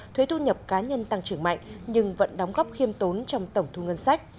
thuế thu nhập cá nhân tăng trưởng mạnh nhưng vẫn đóng góp khiêm tốn trong tổng thu ngân sách